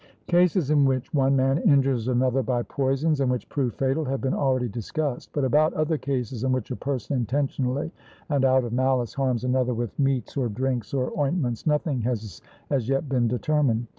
Cases in which one man injures another by poisons, and which prove fatal, have been already discussed; but about other cases in which a person intentionally and of malice harms another with meats, or drinks, or ointments, nothing has as yet been determined.